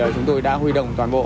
chúng tôi đã huy động toàn bộ